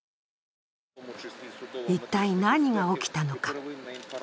一体、何が起きたのか。